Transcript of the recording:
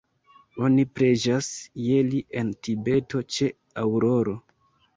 Oni preĝas je li en Tibeto ĉe aŭroro.